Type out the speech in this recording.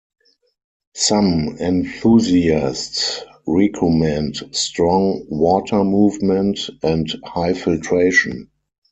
Some enthusiasts recommend strong water movement and high filtration.